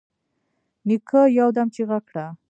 نيکه يودم چيغه کړه.